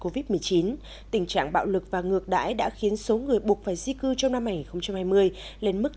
covid một mươi chín tình trạng bạo lực và ngược đãi đã khiến số người buộc phải di cư trong năm hai nghìn hai mươi lên mức